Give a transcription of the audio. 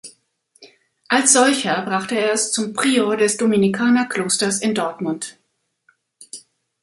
Als solcher brachte er es zum Prior des Dominikanerklosters in Dortmund.